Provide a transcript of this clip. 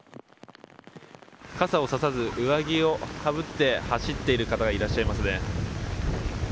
傘をささず上着をかぶって走っている方がいらっしゃいますね。